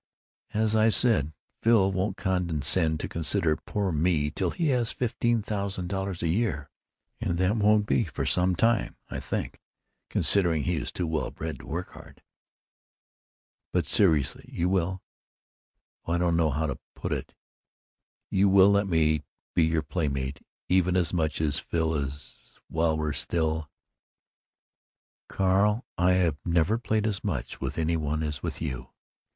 "As I said, Phil won't condescend to consider poor me till he has his fifteen thousand dollars a year, and that won't be for some time, I think, considering he is too well bred to work hard." "But seriously, you will——Oh, I don't know how to put it. You will let me be your playmate, even as much as Phil is, while we're still——" "Carl, I've never played as much with any one as with you.